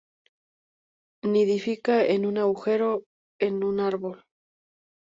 Nidifica en un agujero en un árbol.